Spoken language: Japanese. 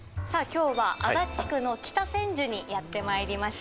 きょうは足立区の北千住にやってまいりました。